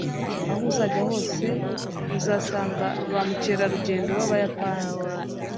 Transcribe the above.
Aho uzajya hose, uzasanga ba mukerarugendo b'Abayapani